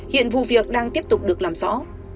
hiện vụ việc đang tiếp tục được làm rõ